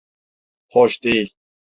Hoş değil.